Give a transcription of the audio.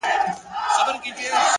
وخت د پریکړو ارزښت زیاتوي.!